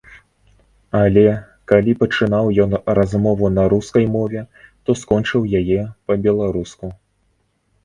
Але, калі пачынаў ён размову на рускай мове, то скончыў яе па-беларуску.